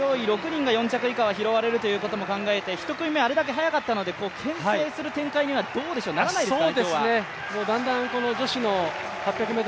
タイム上位６人が４着以下は拾われるということも考えて１組目、あれだけ速かったのでけん制する展開にはならないですか。